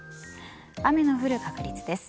雨の降る確率です。